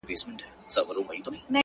• په يبلو پښو روان سو ـ